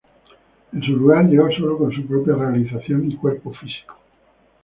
En su lugar, llegó sólo con su propia realización y cuerpo físico.